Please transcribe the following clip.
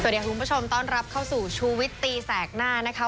คุณผู้ชมต้อนรับเข้าสู่ชูวิตตีแสกหน้านะคะ